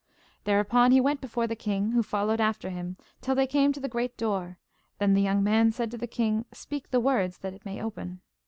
Thereupon he went before the king, who followed after him, till they came to the great door. Then the young man said to the king: 'Speak the words that it may open.